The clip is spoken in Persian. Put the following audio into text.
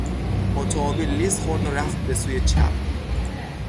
اتومبیل لیز خورد و رفت به سوی چپ.